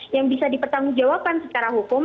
yang bisa dipertanggungjawabkan secara hukum